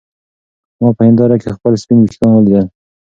ما په هېنداره کې خپل سپین ويښتان ولیدل.